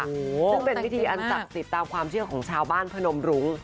ซึ่งเป็นพิธีอันศักดิ์สิทธิ์ตามความเชื่อของชาวบ้านพนมรุ้ง